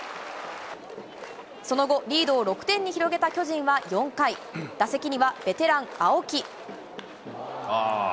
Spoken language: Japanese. その後、リードを６点に広げた巨人は４回、打席にはベテラン、青木。